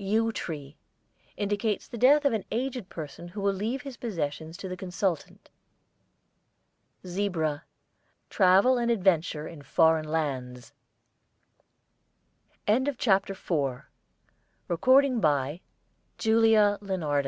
YEW TREE indicates the death of an aged person who will leave his possessions to the consultant. ZEBRA, travel and adventure in foreign lands. CHAPTER V A COLLECTION OF SPECIMEN CUP